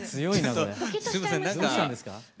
どうしたんですか？